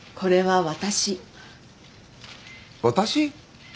私？